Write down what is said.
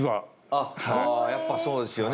ああーやっぱそうですよね。